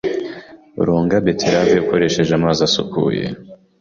Ronga beterave ukoresheje amazi asukuye,